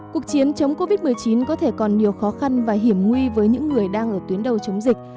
cuộc chiến chống covid một mươi chín có thể còn nhiều khó khăn và hiểm nguy với những người đang ở tuyến đầu chống dịch